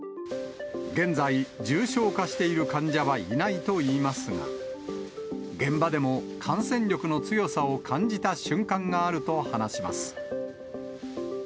現在、重症化している患者はいないといいますが、現場でも感染力の強さを感じた瞬間があると話します。